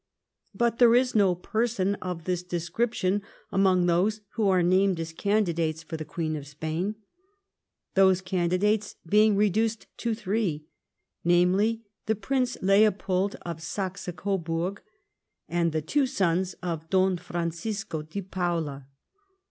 But there is no person of this description among those who are named as candidates for the Queen of Spain ; those candidates being reduced to three, namely, the Prince Leopold of Saxe Goburg, and the two sons of Don Francisco de Paula.